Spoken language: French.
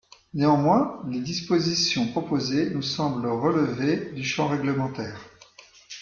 Néanmoins, les dispositions proposées nous semblent relever du champ réglementaire.